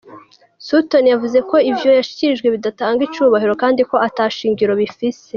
Sutton yavuze ko ivyo yashikirije 'bidatanga icubahiro' kandi ko 'ata shingiro bifise'.